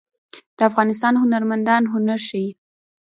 د افغانستان هنرمندان هنر ښيي